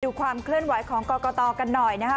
ความเคลื่อนไหวของกรกตกันหน่อยนะคะ